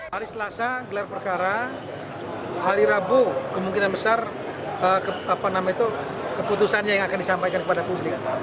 hari selasa gelar perkara hari rabu kemungkinan besar keputusannya yang akan disampaikan kepada publik